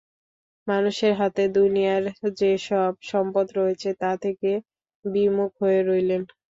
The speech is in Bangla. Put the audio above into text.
মানুষের হাতে দুনিয়ার যেসব সম্পদ রয়েছে তা থেকে বিমুখ হয়ে রইলেন।